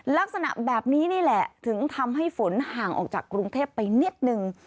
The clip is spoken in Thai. ลักษณะแบบนี้นี่แหละถึงทำให้ฝนห่างออกจากกรุงเทพไปนิดนึง